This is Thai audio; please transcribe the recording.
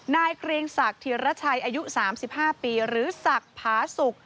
เกรียงศักดิ์ธิรชัยอายุ๓๕ปีหรือศักดิ์ผาสุก